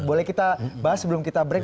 boleh kita bahas sebelum kita break